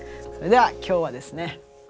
それでは今日はですね